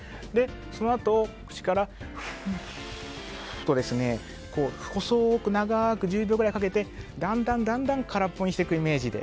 そのあと、口からふーっと細く長く１０秒くらいかけてだんだん空っぽにしていくイメージで。